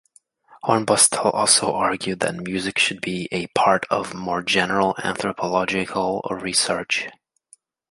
Hornbostel also argued that music should be a part of more general anthropological research.